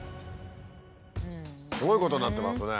すごいことになってますね。